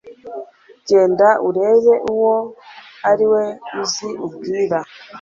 genda urebe uwo ari we uze ubwire